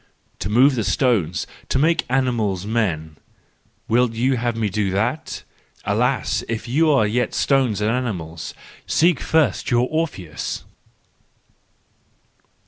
To move the stones, to make animals men—would you have me do that ? Alas, if you are yet stones and animals, seek first your Orpheus